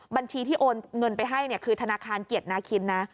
บัญชีที่โอนเงินไปให้คือธนาคารเกียรตินาคินนะ